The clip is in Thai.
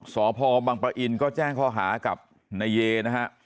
สพบังปะอินก็แจ้งข้อหากับนายเยนะฮะ